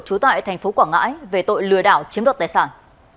trú tại tp quảng ngãi về tội lừa đảo chiếm đoạt tài sản